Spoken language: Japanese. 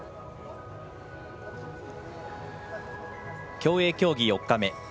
競泳競技４日目。